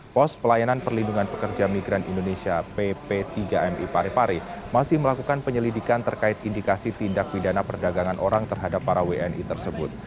pos pelayanan perlindungan pekerja migran indonesia pp tiga mi parepare masih melakukan penyelidikan terkait indikasi tindak pidana perdagangan orang terhadap para wni tersebut